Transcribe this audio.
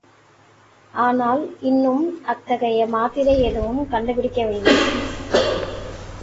ஆனால் இன்னும் அத்தகைய மாத்திரை எதுவும் கண்டுபிடிக்கவில்லை.